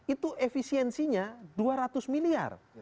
itu efisiensinya dua ratus miliar